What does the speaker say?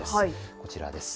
こちらです。